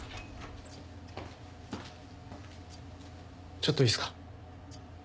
ちょっといいっすか？